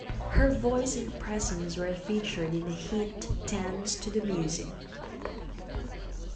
Her voice and presence were featured in the hit "Dance To The Music".